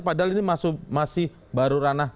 padahal ini masih baru ranah